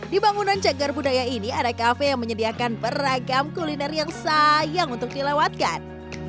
di bangunan cagar budaya ini ada kafe yang menyediakan beragam kuliner yang sayang untuk dilewatkan